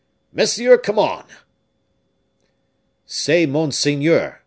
"Monsieur, come on!" "Say monseigneur!"